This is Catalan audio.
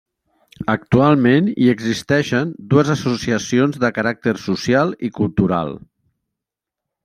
Actualment hi existeixen dues associacions de caràcter social i cultural.